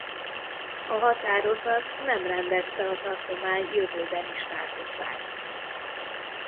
A határozat nem rendezte a tartomány jövőbeni státuszát.